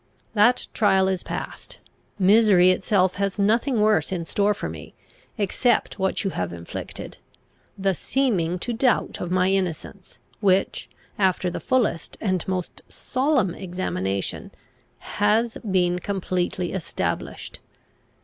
That trial is past. Misery itself has nothing worse in store for me, except what you have inflicted: the seeming to doubt of my innocence, which, after the fullest and most solemn examination, has been completely established.